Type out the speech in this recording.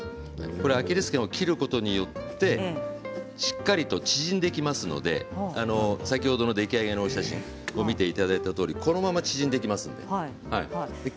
アキレスけんを切ることによってしっかりと縮んできますので先ほどの出来上がりの写真を見ていただいたとおりこのまま縮んでいきます。